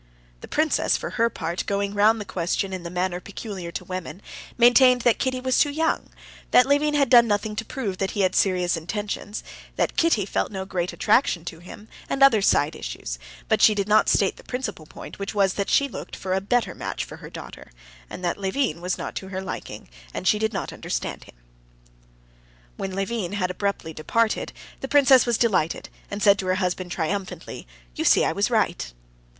The princess for her part, going round the question in the manner peculiar to women, maintained that Kitty was too young, that Levin had done nothing to prove that he had serious intentions, that Kitty felt no great attraction to him, and other side issues; but she did not state the principal point, which was that she looked for a better match for her daughter, and that Levin was not to her liking, and she did not understand him. When Levin had abruptly departed, the princess was delighted, and said to her husband triumphantly: "You see I was right."